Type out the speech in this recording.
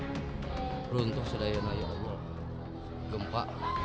hai runtuh sedaya naya allah gempa